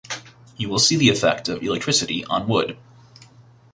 You will see the effect of electricity on Wood.